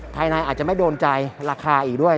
ภายในอาจจะไม่โดนใจราคาอีกด้วย